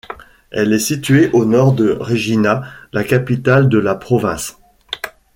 Elle est située au nord de Regina, la capitale de la province.